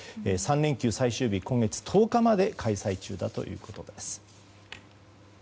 ３連休最終日、今月１０日まで開催中だということです。